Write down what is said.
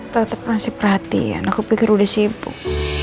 tetap masih perhatian aku pikir udah sibuk